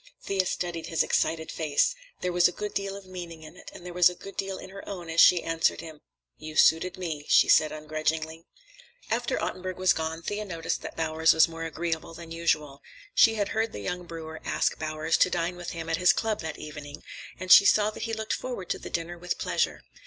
Thea studied his excited face. There was a good deal of meaning in it, and there was a good deal in her own as she answered him. "You suited me," she said ungrudgingly. After Ottenburg was gone, Thea noticed that Bowers was more agreeable than usual. She had heard the young brewer ask Bowers to dine with him at his club that evening, and she saw that he looked forward to the dinner with pleasure.